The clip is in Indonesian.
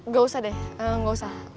gak usah deh nggak usah